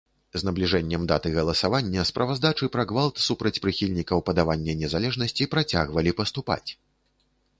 З набліжэннем даты галасавання справаздачы пра гвалт супраць прыхільнікаў падавання незалежнасці працягвалі паступаць.